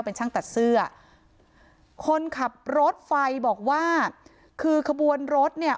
เป็นช่างตัดเสื้อคนขับรถไฟบอกว่าคือขบวนรถเนี่ย